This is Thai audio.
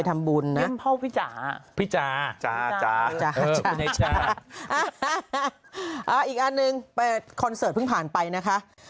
เอาอีกอันหนึ่งไปคอนเสิร์ตเพิ่งผ่านไปนะคะ